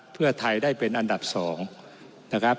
เพื่อไทยได้เป็นอันดับ๒นะครับ